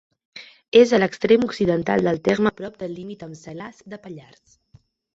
És a l'extrem occidental del terme, prop del límit amb Salàs de Pallars.